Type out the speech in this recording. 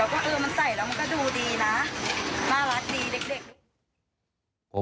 แล้วก็เออมันใส่แล้วมันก็ดูดีนะน่ารักดีเด็ก